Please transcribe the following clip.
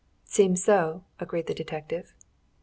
"Seems so," agreed the detective.